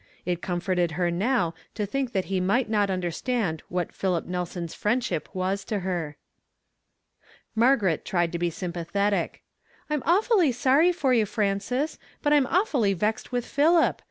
It comforted her now to think that he might not understand what Philip Nelson's friendship was to her. Margaret tried to be sympathetic. " I'm awfully sorry for you, Frances, but I'm awfully vexed with Philip.